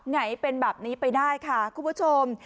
ไหนเป็นแบบนี้ไปได้ค่ะคุณผู้ชม